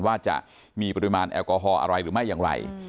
ว่าจะมีปริมาณแอลกอฮอลอะไรหรือไม่อย่างไร